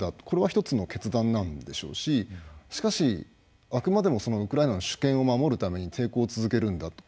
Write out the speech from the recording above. これは１つの決断なんでしょうししかしあくまでもウクライナの主権を守るために抵抗を続けるんだ。